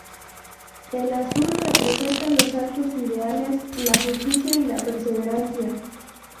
El Azul representa los altos ideales, la justicia y la perseverancia.